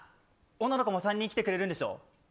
女の子も３人来てくれるんでしょ。